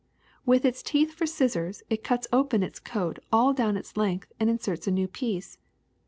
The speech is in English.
^^With its teeth for scissors it cuts open its coat all down its length and inserts a new piece.